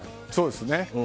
そうですね。